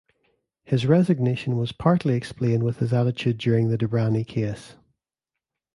His resignation was partly explained with his attitude during the Dibrani case.